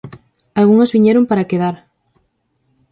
Algunhas viñeron para quedar.